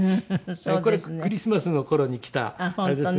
これクリスマスの頃に来たあれですね。